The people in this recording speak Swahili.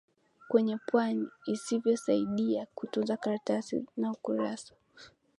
kwenye pwani isiyosaidia kutunza karatasi na kurasa